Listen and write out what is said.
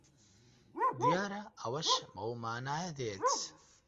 دیارە ئەوەش بەو مانایە دێت